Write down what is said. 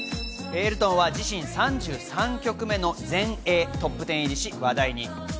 エルトンは自身３３曲目の全英トップ１０入りし話題に。